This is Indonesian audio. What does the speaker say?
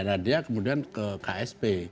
nah dia kemudian ke ksp